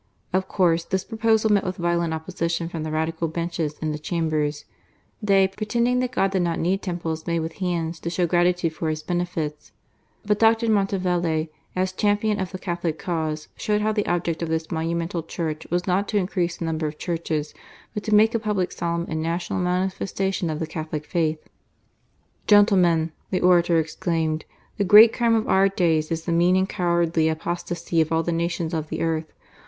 Of course, this proposal met with violent opposition from the Radical benches in the Chantbers, they, pretending that God did not need temples made with hands to show gratitude for His benefits. But I>r. Mntovelle, as champion of the Catholic cause, showed how the object of this. monumental church was not to increase the number of churches, but to make a public, solemn, and. national manifestation of the Catholic faith. "Gentfentent" the orator exclaimed, "The great crime of our days is the mean and cowardly apostacy of all the nations of the earth.